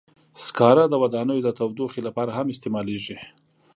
سکاره د ودانیو د تودوخې لپاره هم استعمالېږي.